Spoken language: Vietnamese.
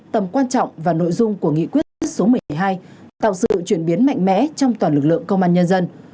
tầm quan trọng và nội dung của nghị quyết số một mươi hai tạo sự chuyển biến mạnh mẽ trong toàn lực lượng công an nhân dân